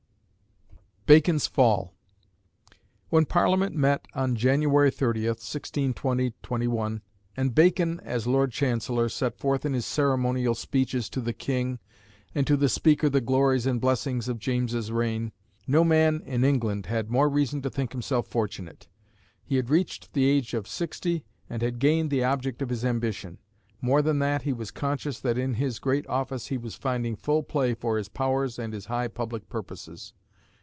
BACON'S FALL. When Parliament met on January 30, 1620/21, and Bacon, as Lord Chancellor, set forth in his ceremonial speeches to the King and to the Speaker the glories and blessings of James's reign, no man in England had more reason to think himself fortunate. He had reached the age of sixty, and had gained the object of his ambition. More than that, he was conscious that in his great office he was finding full play for his powers and his high public purposes.